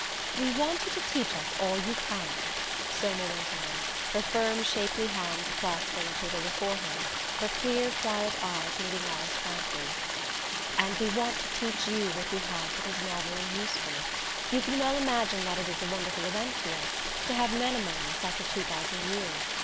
"We want you to teach us all you can," Somel went on, her firm shapely hands clasped on the table before her, her clear quiet eyes meeting ours frankly. "And we want to teach you what we have that is novel and useful. You can well imagine that it is a wonderful event to us, to have men among us after two thousand years.